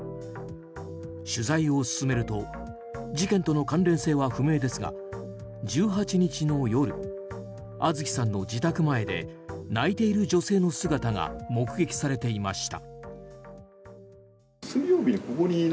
取材を進めると事件との関連性は不明ですが１８日の夜、杏月さんの自宅前で泣いている女性の姿が目撃されていました。